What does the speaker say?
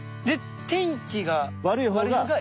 で天気が悪い方が。